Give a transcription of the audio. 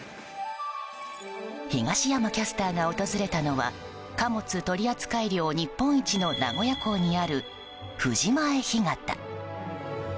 東山キャスターが訪れたのは貨物取扱量日本一の名古屋港にある藤前干潟。